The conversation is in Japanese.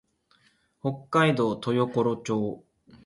北海道豊頃町